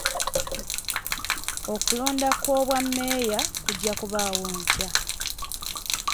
Okulonda kw'obwameeya kujja kubaawo enkya.